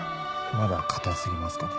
まだ硬すぎますかね？